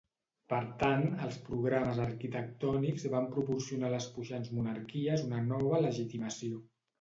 Per tant, els programes arquitectònics van proporcionar a les puixants monarquies una nova legitimació.